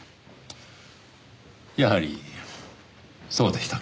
やはりそうでしたか。